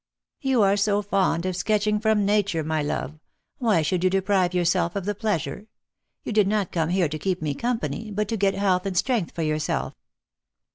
" You are so fond of sketching from Nature, my love. Why should you deprive yourself of the pleasure ? You did not come here to keep me company, but to get health and strength for yourself."